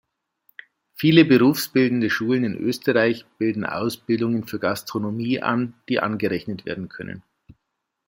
Viele berufsbildende Schulen in Österreich bieten Ausbildungen für Gastronomie an, die angerechnet werden können.